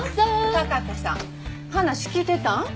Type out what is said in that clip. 貴子さん話聞いてたん？